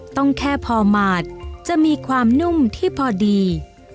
ต้องแค่พอหมาดจะมีความนุ่มที่พอดี